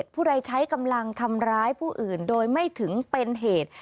ผู้ใดใช้กำลังทำร้ายผู้อื่นโดยไม่ถึงเป็นเหตุ